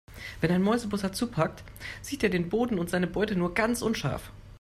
Wenn ein Mäusebussard zupackt, sieht er den Boden und seine Beute nur ganz unscharf.